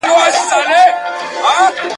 ستړي منډي به مي ستا درشل ته راوړې ..